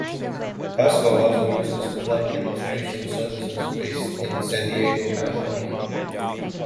Costco also uses Club Demonstration Services, based in San Diego, California.